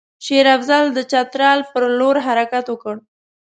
شېر افضل د چترال پر لوري حرکت وکړ.